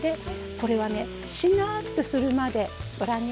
これはね、しなっとするまで。